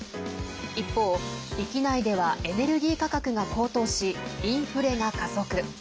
一方、域内ではエネルギー価格が高騰しインフレが加速。